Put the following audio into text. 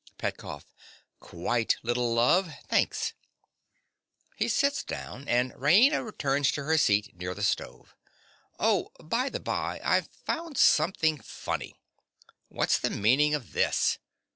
PETKOFF. Quite, little love. Thanks. (He sits down; and Raina returns to her seat near the stove.) Oh, by the bye, I've found something funny. What's the meaning of this?